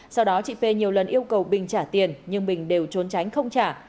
sau đó chị p nhiều lần yêu cầu bình trả tiền nhưng bình đều trốn tránh không trả